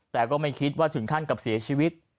แต่ก็ไม่คิดว่าถึงขั้นกับเสียชีวิต